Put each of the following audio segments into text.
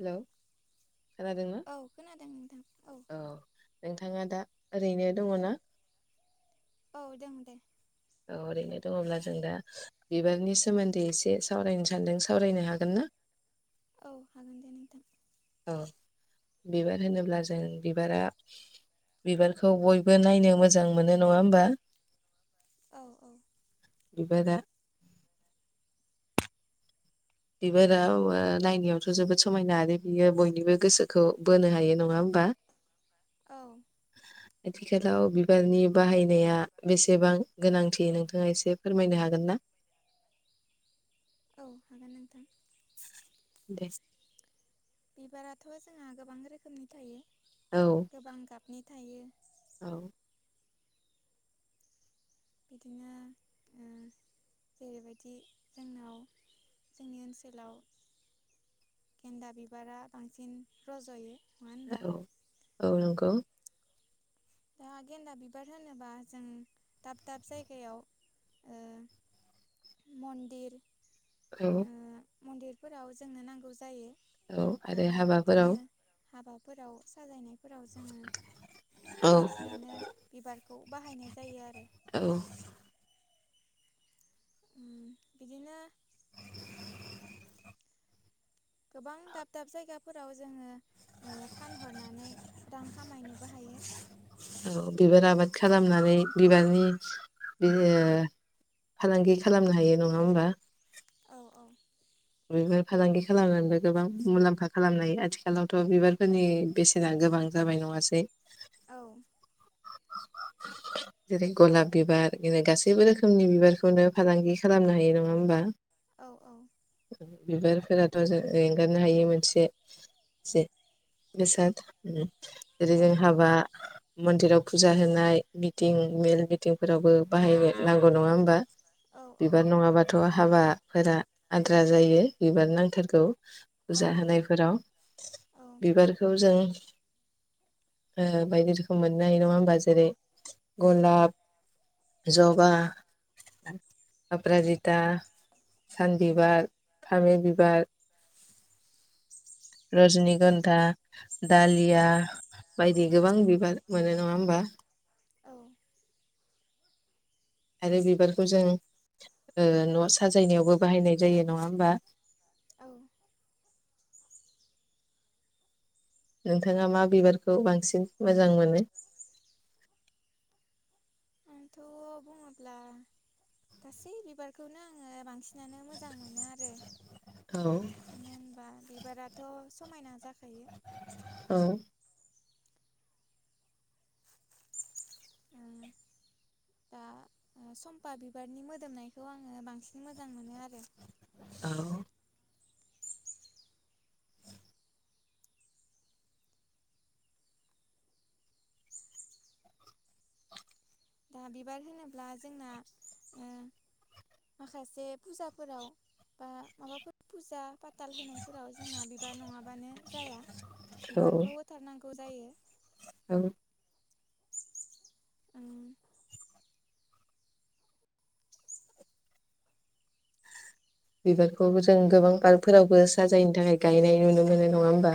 Hello. खोनादोंना औ खोनादों नोंथां औ नोंथाङा दा ओरैनो दङ ना? औ दं दे औ ओरैनो दङब्ला जों दा बिबारनि सोमोन्दै एसे सावरायनो सान्दों सावरायनो हागोन ना? [inaudible] औ हागोन दे नोंथां। औ बिबार होनोब्ला जों बिबारा बिबारखौ बयबो नायनो मोजां मोनो नङा होमबा? औ औ। बिबारा बिबाराव ओ नायनायावथ जोबोद समायना आरो बियो बयनिबो गोसोखौ बोनो हायो नङा होमबा? [inaudible] औ आथिखालाव बिबारनि बाहायनाया बेसेबां गोनांथि नोंथाङा एसे फोरमायनो हागोन ना? [inaudible] औ हागोन नोंथां। दे। बिबाराथ जोंहा गोबां रोखोमनि थायो औ गोबां गाबनि थायो औ। बिदिनो ओ जेरैबायदि जोंनाव जोंनि ओनसोलाव गेन्दा बिबारा बांसिन रजयो नङा होनबा ओ औ औ नंगौ। दा गेन्दा बिबार होनोबा जों दाब-दाब जायगायाव ओ [inaudible] मन्दिर औ। ओ मन्दिरफोराव जोंनो नांगौ जायो। औ आरो हाबाफोराव। हाबाफोराव साजायनायफोराव जोङो औ बांसिनानो बिबार खौ बाहायनाय जायो आरो औ। उम बिदिनो गोबां दाब-दाब जायगाफोराव जोङो ओ फानहरनानै रां खामायनोबो हायो। [inaudible] औ बिबार आबाद खालामनानै बिबारनि बि ओ फालांगि खालामनो हायो नङा होमबा? औ औ बिबार फालांगि खालामनानैबो गोबां मुलाम्फा खालामनाय आथिखालावथ बिबारफोरनि बेसेना गोबां जाबाय नङासै? औ। [inaudible] जेरै गलाब बिबार बिनो गासैबो रोखोमनि बिबारखौनो फालांगि खालामनो हायो नङा होमबा? औ औ बिबारफोराथ जों एंगारनो हायो मोनसे जे बेसाद जेरै औ जों हाबा मन्दिराव फुजा होनाय मिटिं मेल मिथिंफोरावबो बाहायनो नांगौ नङा होमबा? औ बिबार नङाबाथ हाबाफोरा आद्रा जायो बिबार नांथारगौ। फुजा होनायफोराव औ बिबारखौ जों ओ बायदि रोखोम मोनो हायो नङा होमबा जेरै- गलाब, जबा, अप्रााजिता, सान बिबार, फामि बिबार, रजनि गन्दा, दालिया, बायदि गोबां बिबार मोनो नङा होमबा। औ आरो बिबारखौ जों ओ न' साजायनायावबो बाहायनाय जायो नङा होमबा। औ नोंथाङा मा बिबारखौ बांसिन मोजां मोनो? आंथ' बुङोब्ला गासै बिबारखौनो आङो बांसि नानो मोजां मोनो आरो। औ मानो होनबा बि बाराथ' समायना जाखायो औ ओ [inaudible] दा सम्फा बिबारनि मोदोमनायखौ आङो बांसिन मोजां मोनो आरो। औ दा बिबार होनोब्ला जोंना ओ माखासे फुजाफोराव बा माबाफोर फुजा पाथाल होनायफोराव जोंना बिबार नङाबानो जाया बिबारखौ होथारनां गौ जायो। औ ओम बिबारखौ जों गोबां पार्कफोरावबो साजायनो थाखाय गायनाय नुनो मोनो नङा होमबा।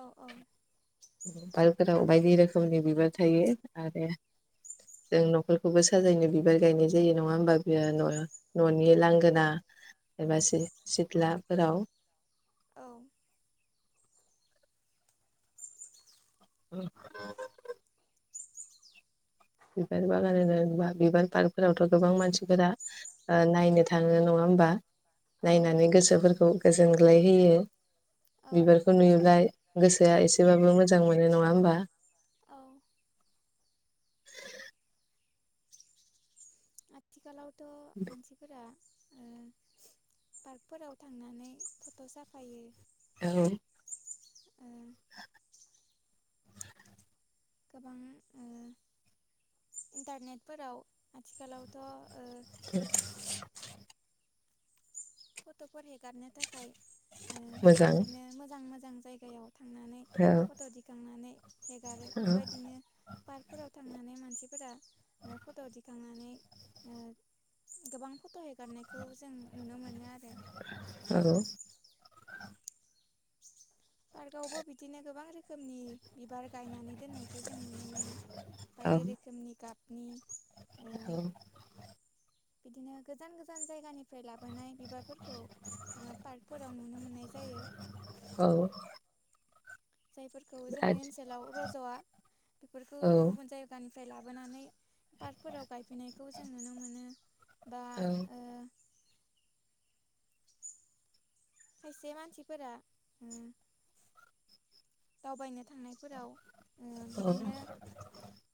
औ औ पार्कफोराव बायदि रोखोमनि बिबार थायो आरो जों न'खरखौबो साजायनो बिबार गायनाय जायो नङा होमबा बियो' न'नि लांगोना एबा सिथ्लाफोराव औ औ बिबार बागान होनोबा बिबार पार्कफोरावथ' गोबां मानसिफोरा नायनो थाङो नङा होमबा औ नायनानै गोसोफोरखौ गोजोनग्लाय होयो, औ बिबारखौ नुयोब्ला गोसोआ एसेबाबो मोजां मोनो नङा होमबा? औ आथिखालावथ' मानसिफोरा ओ पार्कफोराव थांनानै फट' साफायो, औ ओ गोबां ओम इन्टारनेटफोराव आथिखालावथ' ओ [inaudible] फट'फोर हेगारनो थाखाय ओ मोजां बिदिनो मोजां मोजां जायगायाव थांनानै औ फट' दिखांनानै हेगारो औ बेबायदिनो पार्कफोराव थांनानै मानसिफोरा ओ फट' दिखांनानै ओ गोबां फट' हेगारनायखौ जों नुनो मोनो आरो आरो पार्कआवबो बिदिनो गोबां रोखोमनि बिबार गायनानै दोननायखौ जों नुनो मोनो। बायदि रोखोमनि गाबनि ओ औ बिदिनो गोजान गोजान जायगानिफ्राय लाबोनाय बिबारफोरखौ ओ पार्कफोराव नुनो मोननाय जायो। औ जायफोरखौ आरो जोंनि ओनसोलाव रज'आ। बेफोरखौ औ गुबुन जायगानि फ्राय लाबोनानै पार्कफोराव गायफैनायखौ जों नुनो मोनो। बा औ ओ खायसे मानसिफोरा ओ दावबायनो थांनायफोराव ओ औ बिदिनो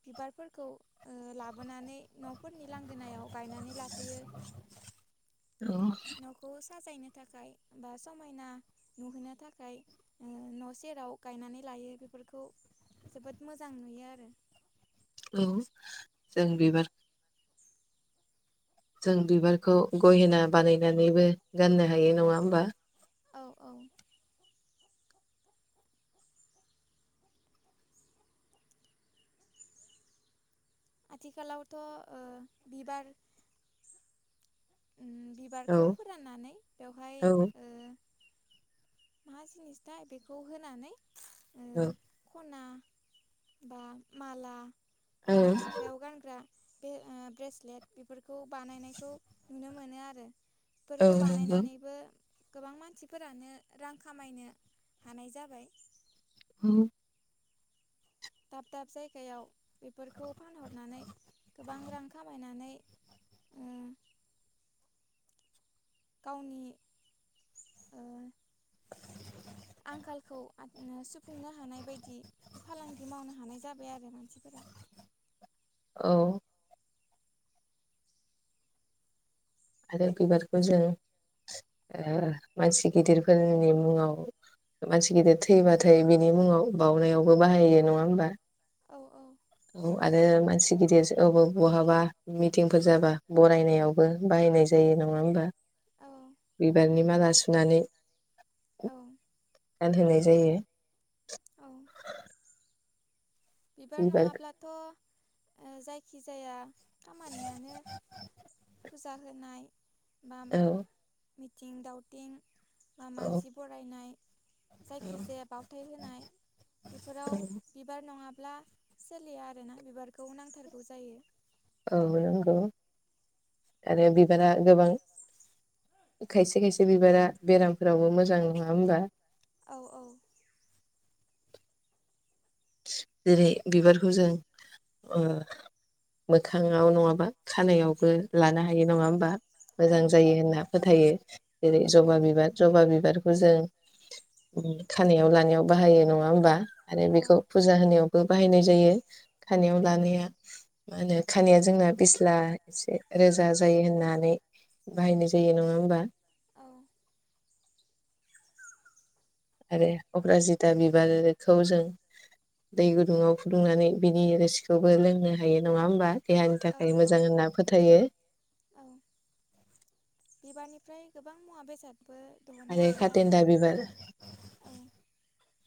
बिबारफोर खौ ओ लाबोनानै न'फोरनि लांगोनायाव गायनानै लाफैयो। औ न'खौ साजायनो थाखाय बा समायना नुहोनो थाखाय ओ न' सेराव गायनानै ला यो। बेफोरखौ जोबोद मोजां नुयो आरो औ जों बिबार जों बिबारखौ गहेना बानायनानैबो गाननो हायो। नङा होमबा? औ औ आथिखालावथ' ओ बिबार उम औ बिबारखौ फोराननानै बेवहाय औ ओ मा जिनिस थाय बेखौ होनानै ओ औ खना बा माला औ बा आखाइयाव गानग्रा बे ब्रेसलेट बेफोरखौ बानायनायखौ नुनो मोनो आरो औ बेफोरखौ नंगौ बानायनानैबो गोबां मानसिफोरानो रां खामायनो हानाय जाबाय औ दाब दाब जायगायाव बेफोरखौ फानहरनानै गोबां रां खामायनानै ओ [inaudible] गावनि ओ आंखालखौ आङ ओ सुफुंनो हानाय बायदि फालांगि मावनो हानाय जाबाय आरो मानसिफोरा। [inaudible] औ आरो बिबारखौ जों ओ मानसि गिदिरफोरनि मुङाव मानसि गिदिर थैबाथाय बिनि मुङाव बावउनायावबो बाहायो नङा होमबा? औ औ औ आरो मा सि गिदिर औबा बहाबा मिथिंफोर जाबा बरायनायावबो बाहायनाय जायो। नङा होमबा? औ बिबारनि माला सुनानै औ गानहोनाय जायो। औ बिबार नङाब्लाथ' ओ जायखि जाया खामानियानो फुजा होनाय बा औ मिथिं दावथिं बा औ मानसि बरायनाय औ जायखिजाया बावथाय होनाय बेफोराव बिबार नङाब ब्ला सोलिया आरोना बिबारखौ नांथारगौ जायो। औ नोंगौ आरो बिबारा गोबां खायसे खायसे बिबारा बेरामफोरावबो मोजां नङा होमबा औ औ जेरै बिबारखौ जों ओ नङाबा खानायावबो लानो हायो नङा होमबा मोजां जायो होनना फोथायो जबा बिबार जबा बिबारखौ जों न'खराव फुजा होनायावबो बाहायनाय जायो सानयाव लानायाव मोखाङाव नङाबा खानायावबो लानो हायो नङा होमबा मोजां जायो होनना फोथायो जेरै जबा बिबार जबा बिबार खो जों उम खानायाव लानायाव बाहायो नङा होमबा आरो बेखौ खानायावबो बाहायनाय जायो खानायाव लानाया मा होनो खानाया जोंना बिसला एसे रोजा जायो होननानै बाहायनाय जायो नङा होमबा औ आरो अप्राजिता बिबारखौ जों दै गुदुङाव फुदुंनानै बिनि रोसिखौबो लोंनो हायो नङा होमबा देहानि औ थाखाय औ मोजां होनना फोथायो ओमफ्राय गोबां मुवा बेसाद आरो खाथेनदा बिबार औ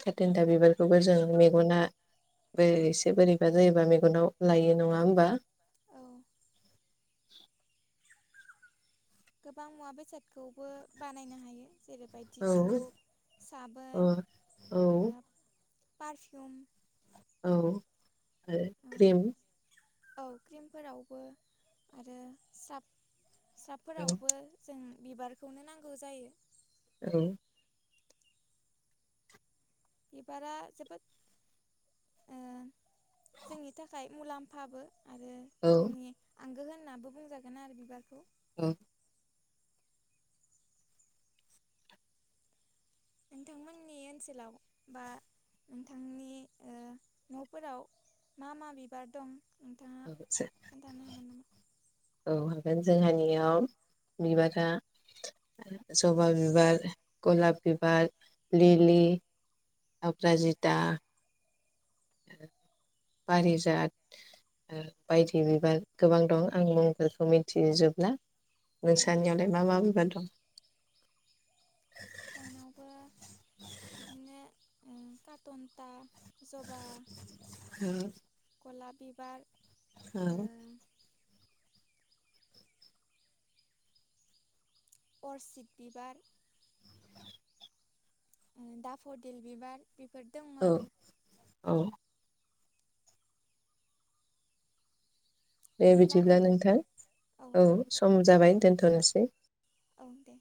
खाथेनदा बिबार- खौबो जों मेगनाबो एसे बोरैबा जायोबा मेगनाव लायो नङा होमबा औ [unintelligible] [inaudible] गोबां मुवा बेसादखौबो बानायनो हायो जेरैबायदि औ धुप अ साबोन औ ओ पारफिउम औ ओ ओ क्रिम औ क्रिमफोरावबो आरो साब- औ स्राबफोरावबो जों बिबारखौनो नांगौ जायो औ बिबारा जोबोद ओ जोंनि थाखाय मुलाम्फाबो आरो औ जोंनि आंगो होननाबो बुंजागोन आरो बिबारखौ औ [unintelligible] [inaudible] नि ओनसोलाव बा नोंथांनि ओ न'फोराव मा मा बिबार दं नोंथाङा [inaudible] खोन्थानो हागोन नामा औ हागोन जोंहानियाव बिबारा जबा बिबार गलाप बिबार लिलि अप्राजिता बारिजाद ओ बायदि बिबार गोबां दं आं मुंफोरखौ मिथिजोबला औ नोंसानियावलाय मा मा बिबार दं जानावबो बिदिनो ओ काटन्था जबा गलाब बिबार ओ औ अरसिब बिबार ओ दा फडेल बिबार बेफोर दङ औ आरो औ दे बिदिब्ला नोंथां औ सम जाबाय दोनथ'नोसै औ दे